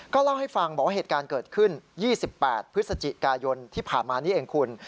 เล่าให้ฟังบอกว่าเหตุการณ์เกิดขึ้น๒๘พฤศจิกายนที่ผ่านมานี้เองคุณ